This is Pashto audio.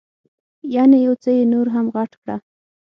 یعنې یو څه یې نور هم غټ کړه.